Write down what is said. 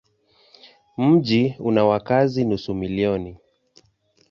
Mji una wakazi nusu milioni.